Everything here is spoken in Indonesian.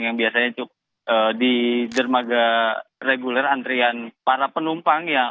yang biasanya cukup di dermaga reguler antrian para penumpang